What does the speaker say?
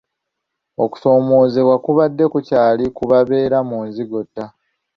Okusoomoozebwa kubadde kukyali ku babeera mu nzigotta.